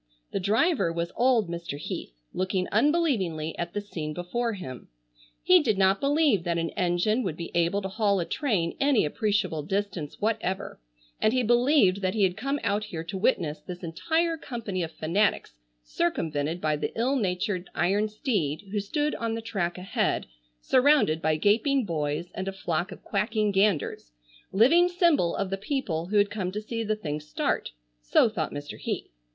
The driver was old Mr. Heath looking unbelievingly at the scene before him. He did not believe that an engine would be able to haul a train any appreciable distance whatever, and he believed that he had come out here to witness this entire company of fanatics circumvented by the ill natured iron steed who stood on the track ahead surrounded by gaping boys and a flock of quacking ganders, living symbol of the people who had come to see the thing start; so thought Mr. Heath.